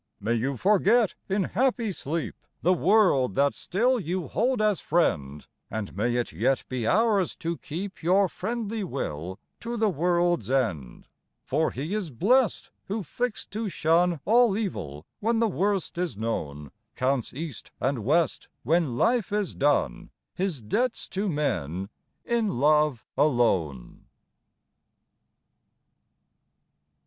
May you forget In happy sleep The world that still You hold as friend, And may it yet Be ours to keep Your friendly will To the world's end. For he is blest Who, fixed to shun All evil, when The worst is known, Counts, east and west, When life is done, His debts to men In love alone.